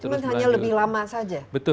cuma hanya lebih lama saja